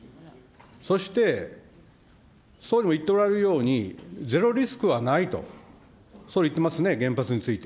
そして総理も言っておられるように、ゼロリスクはないと、総理言ってますね、原発について。